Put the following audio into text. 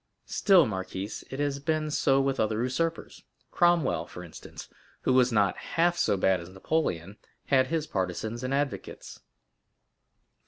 Still, marquise, it has been so with other usurpers—Cromwell, for instance, who was not half so bad as Napoleon, had his partisans and advocates."